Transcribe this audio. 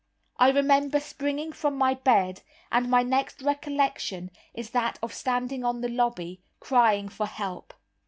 I remember springing from my bed, and my next recollection is that of standing on the lobby, crying for help.